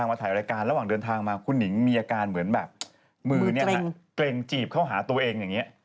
กำกัดคือเลี่ยงไปแบบนี้